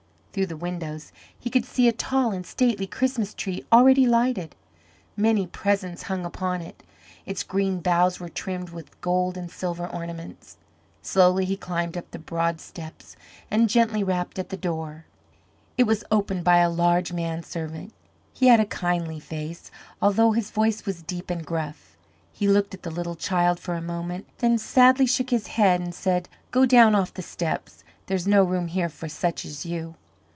Through the windows, he could see a tall and stately Christmas tree already lighted. Many presents hung upon it. Its green boughs were trimmed with gold and silver ornaments. Slowly he climbed up the broad steps and gently rapped at the door. It was opened by a large man servant. He had a kindly face, although his voice was deep and gruff. He looked at the little child for a moment, then sadly shook his head and said, "Go down off the steps. There is no room here for such as you."